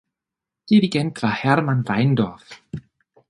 Dirigent war Hermann Weindorf.